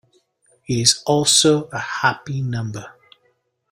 It is also a happy number.